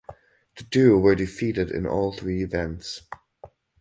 The duo were defeated in all three events.